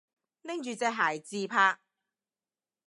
拎住隻鞋自拍